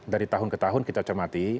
dari tahun ke tahun kita cermati